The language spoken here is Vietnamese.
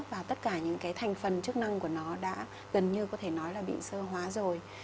và tất cả những cái thành phần chức năng của nó đã gần như có thể nói là bị sơ hóa rồi